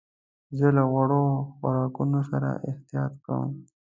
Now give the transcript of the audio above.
زه له غوړو خوراکونو سره احتياط کوم.